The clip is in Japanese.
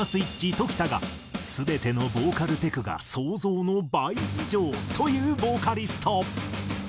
常田が全てのボーカルテクが想像の倍以上というボーカリスト。